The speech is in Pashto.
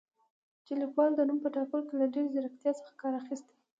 چې لیکوال د نوم په ټاکلو کې له ډېرې زیرکتیا څخه کار اخیستی